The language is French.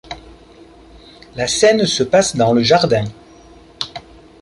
La scène se passe dans le jardin.